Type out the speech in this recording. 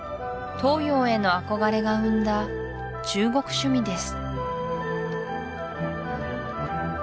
東洋への憧れが生んだ中国趣味です